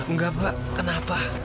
enggak pak kenapa